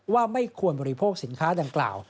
ว่าไม่ควรบริโภคสินค้าดังกล่าว